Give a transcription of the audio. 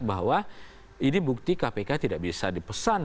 bahwa ini bukti kpk tidak bisa dipesan